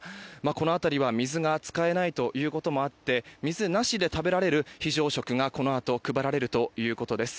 この辺りは水が使えないということもあって水なしで食べられるような非常食がこのあと配られるということです。